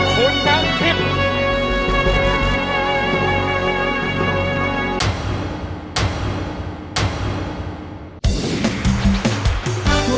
คุณน้ำทิพย์